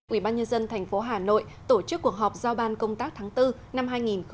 ủy ban nhân dân tp hà nội tổ chức cuộc họp giao ban công tác tháng bốn năm hai nghìn hai mươi